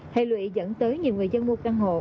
hệ lụy dẫn tới nhiều người dân mua căn hộ